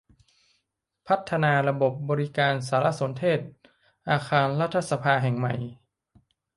พัฒนาระบบบริการสารสนเทศอาคารรัฐสภาแห่งใหม่